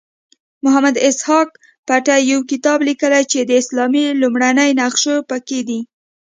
محمد اسحاق بټي یو کتاب لیکلی چې د اسلام لومړني نقشونه پکې دي.